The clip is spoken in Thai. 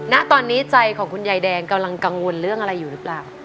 ณตอนนี้ใจของคุณยายแดงกำลังกังวลเรื่องอะไรอยู่หรือเปล่า